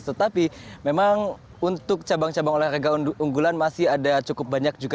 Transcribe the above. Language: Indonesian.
tetapi memang untuk cabang cabang olahraga unggulan masih ada cukup banyak juga